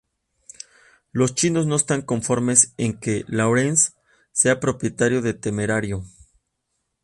Los chinos no están conformes en que Laurence sea propietario de Temerario.